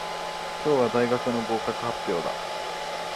今日は大学の合格発表日だ。